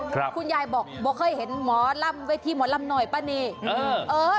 คุณยายบอกว่าเคยเห็นเวทีหมอลำหน่อยป่ะเนี่ย